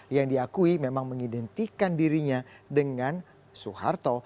yang diakui memang mengidentikan dirinya dengan soeharto